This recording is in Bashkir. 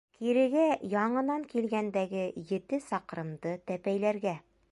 Кирегә яңынан килгәндәге ете саҡрымды тәпәйләргә.